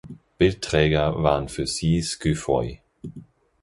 Bildträger waren für sie Skyphoi.